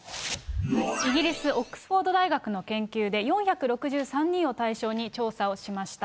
イギリス、オックスフォード大学の研究で、４６３人を対象に調査をしました。